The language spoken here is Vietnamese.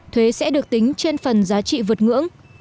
thuế sẽ được tính trên phần giá trị vượt ngưỡng